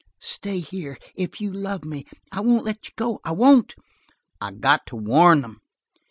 "Stay here if you love me. I won't let you go. I won't!" "I got to warn them."